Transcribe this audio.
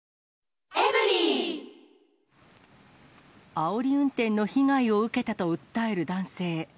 あおり運転の被害を受けたと訴える男性。